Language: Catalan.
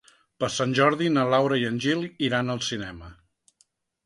Per Sant Jordi na Laura i en Gil iran al cinema.